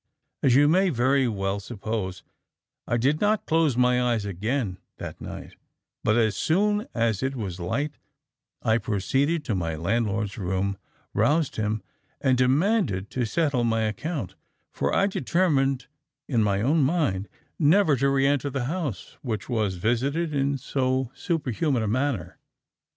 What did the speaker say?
As you may well suppose, I did not close my eyes again that night, but as soon as it was light I proceeded to my landlord's room, roused him, and demanded to settle my account, for I determined in my own mind never to re enter the house which was visited in so superhuman a manner.